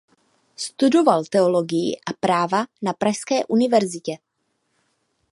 Studoval teologii a práva na pražské univerzitě.